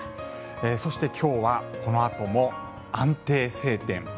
そして、今日はこのあとも安定晴天。